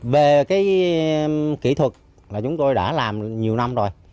về kỹ thuật chúng tôi đã làm nhiều năm rồi